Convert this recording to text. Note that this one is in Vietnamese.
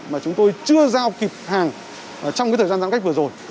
mà chúng tôi chưa giao kịp hàng trong thời gian giãn cách vừa rồi